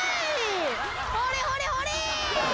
ほれほれほれ。